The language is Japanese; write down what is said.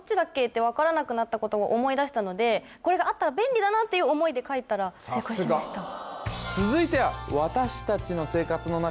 って分からなくなったことを思い出したのでこれがあったら便利だなっていう思いで書いたら正解しました